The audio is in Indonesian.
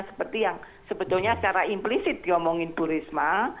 seperti yang sebetulnya secara implisit diomongin bu risma